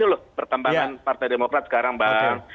itu loh pertambangan partai demokrat sekarang bang